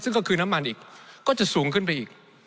ซึ่งก็คือน้ำมันอีกก็จะสูงขึ้นไปอีก